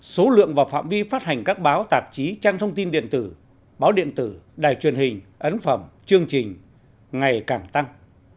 số lượng và phạm vi phát hành các báo tạp chí trang thông tin điện tử báo điện tử đài truyền hình ấn phẩm chương trình ngày càng tăng